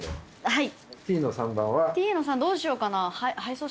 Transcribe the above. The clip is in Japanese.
はい。